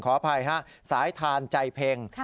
ขออภัยฮะสายทานใจเพ็ง